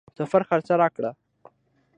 سفر خرڅ راکړ.